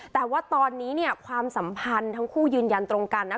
แต่ว่าตอนนี้เนี่ยความสัมพันธ์ทั้งคู่ยืนยันตรงกันนะ